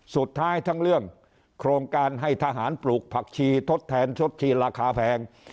สุดท้ายทั้งเรื่องโครงการให้ทหารปลูกผักชีทดแทนชดชีราคาแพง